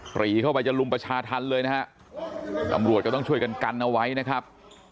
ปรีเข้าไปจะลุมประชาธรรมเลยนะฮะตำรวจก็ต้องช่วยกันกันเอาไว้นะครับ